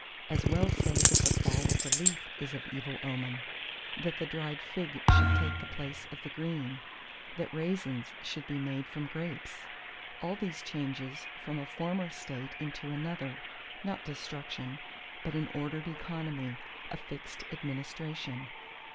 —as well say that the fall of the leaf is of evil omen; that the dried fig should take the place of the green; that raisins should be made from grapes. All these are changes from a former state into another; not destruction, but an ordered economy, a fixed administration.